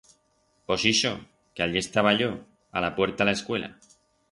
Pos ixo, que allí estaba yo, a la puerta la escuela.